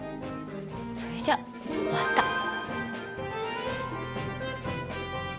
それじゃあまた。